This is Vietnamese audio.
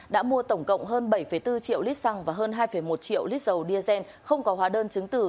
đã mua tổng cộng hơn bảy bốn triệu lít xăng và hơn hai một triệu lít dầu diazen không có hóa đơn chứng từ